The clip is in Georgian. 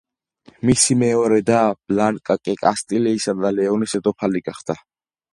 მისი მეორე და, ბლანკა კი კასტილიისა და ლეონის დედოფალი გახდა.